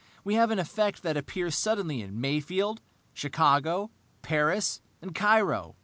"We have an effect that appears suddenly in Mayfield, Chicago, Paris, and Cairo.